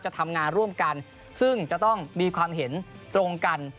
จะทำงานร่วมกันซึ่งจะต้องมีความเห็นตรงกัน